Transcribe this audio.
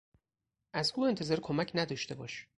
از او انتظار کمک نداشته باش!